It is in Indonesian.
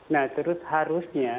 nah terus harusnya